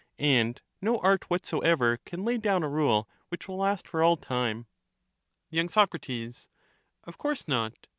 And no art whatsoever ^^^*« can lay down a rule which will last for all time. of human y. Soc, Of course not.